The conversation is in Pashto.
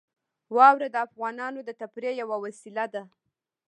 واوره د افغانانو د تفریح یوه وسیله ده.